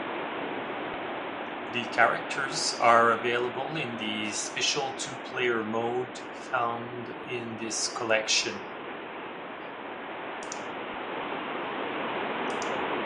The characters are available in the special two-player mode found on this collection.